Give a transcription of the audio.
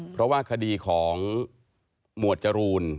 เพราะว่าคดีของหมวดจรูน